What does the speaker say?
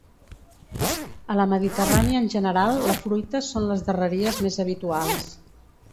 A la mediterrània en general la fruita són les darreries més habituals.